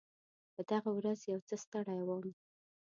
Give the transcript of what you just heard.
په دغه ورځ یو څه ستړی وم.